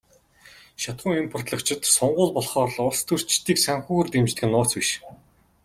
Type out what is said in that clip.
Шатахуун импортлогчид сонгууль болохоор л улстөрчдийг санхүүгээр дэмждэг нь нууц биш.